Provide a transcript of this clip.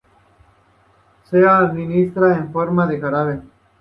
Se administra en forma de jarabe.